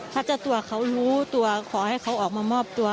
ถ้าเจ้าตัวเขารู้ตัวขอให้เขาออกมามอบตัว